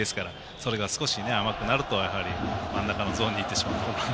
それが少し甘くなると真ん中のゾーンにいってしまう。